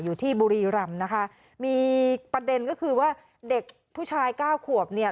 อยู่ที่บุรีรำนะคะมีประเด็นก็คือว่าเด็กผู้ชายเก้าขวบเนี่ย